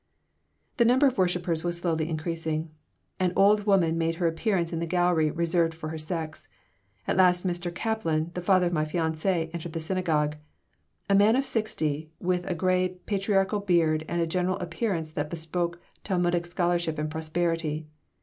The number of worshipers was slowly increasing. An old woman made her appearance in the gallery reserved for her sex. At last Mr. Kaplan, the father of my fiancée, entered the synagogue a man of sixty, with a gray patriarchal beard and a general appearance that bespoke Talmudic scholarship and prosperity.